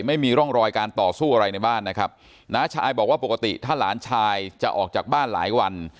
ไม่มีร่องรอยการต่อสู้อะไรในบ้านนะครับน้าชายบอกว่าปกติถ้าหลานชายจะออกจากบ้านหลายวัน